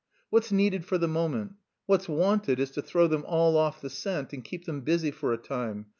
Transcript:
"What's needed for the moment? What's wanted is to throw them all off the scent and keep them busy for a time.